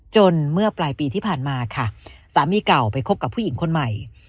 เมื่อปลายปีที่ผ่านมาค่ะสามีเก่าไปคบกับผู้หญิงคนใหม่